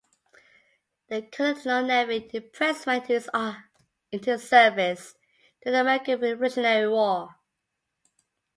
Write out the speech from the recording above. The Continental Navy impressed men into its service during the American Revolutionary War.